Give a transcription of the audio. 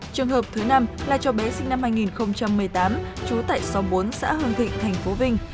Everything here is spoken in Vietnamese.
trường hợp thứ năm là cho bé sinh năm hai nghìn một mươi tám trú tại xóm bốn xã hương thịnh tp vinh